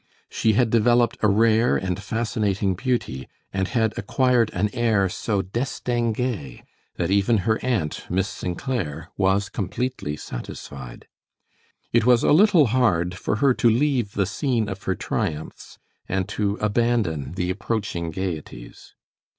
She had developed a rare and fascinating beauty, and had acquired an air so distingue that even her aunt, Miss St. Clair, was completely satisfied. It was a little hard for her to leave the scene of her triumphs and to abandon the approaching gayeties.